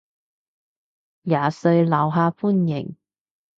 廿歲樓下歡迎